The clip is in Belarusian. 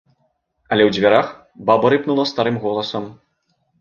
Але ў дзвярах баба рыпнула старым голасам.